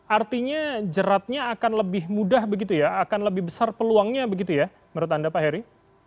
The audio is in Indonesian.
artinya jeratnya akan lebih mudah begitu ya akan lebih besar peluangnya begitu ya menurut anda pak heri